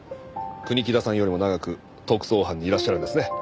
国木田さんよりも長く特捜班にいらっしゃるんですね。